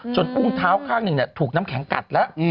อุ้งเท้าข้างหนึ่งถูกน้ำแข็งกัดแล้ว